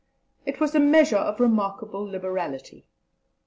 It was a measure of remarkable liberality.